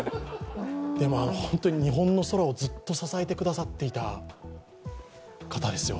でも日本の空をずっと支えてくださっていた方ですよ。